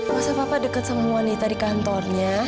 masa papa deket sama wanita di kantornya